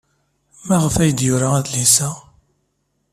Maɣef ay d-yura adlis-a?